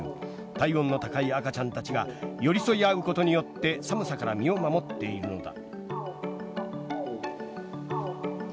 体温の高い赤ちゃんたちが寄り添い合うことによって寒さから身を守っているのだ。